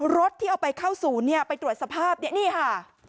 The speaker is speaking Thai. รถที่เอาไปเข้าศูนย์เนี่ยไปตรวจสภาพเนี่ยนี่ค่ะ